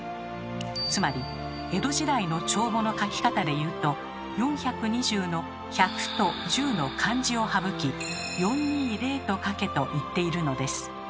つまり江戸時代の帳簿の書き方でいうと「四百弐拾」の「百」と「拾」の漢字を省き「四二〇」と書けと言っているのです。